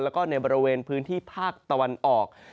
แล้วก็ในบริเวณพื้นที่ภาคตะวันออก